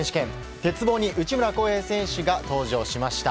鉄棒に内村航平選手が登場しました。